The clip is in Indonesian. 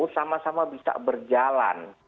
sama sama bisa berjalan